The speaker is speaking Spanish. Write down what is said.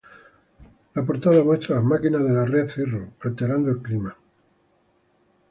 La portada muestra las máquinas de la "red Cirrus" alterando el clima.